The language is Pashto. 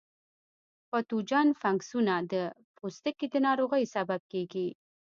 پتوجن فنګسونه د پوستکي د ناروغیو سبب کیږي.